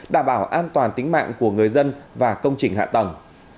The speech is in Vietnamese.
đảm bảo an toàn tính mạng của người dân và công trình hạ tầng